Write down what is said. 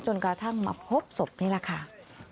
กระทั่งมาพบศพนี่แหละค่ะ